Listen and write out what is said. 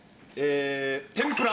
天ぷら。